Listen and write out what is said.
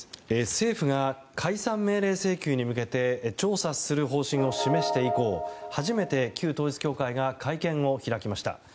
政府が解散命令請求について調査する方針を示して以降初めて、旧統一教会が会見を開きました。